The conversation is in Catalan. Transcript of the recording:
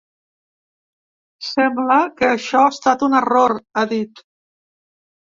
Sembla que això ha estat un error, ha dit.